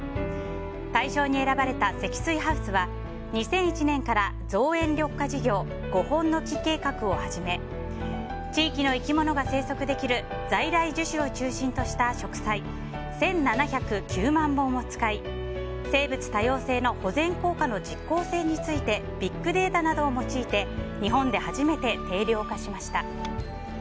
大賞に選ばれた積水ハウスは２００１年から造園緑化事業５本の樹計画を始め地域の生き物が生息できる在来樹種を中心とした植栽１７０９万本を使い生物多様性の保全効果の実効性についてビッグデータなどを用いて日本で初めて定量化しました。